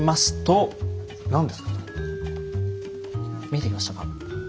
見えてきましたか？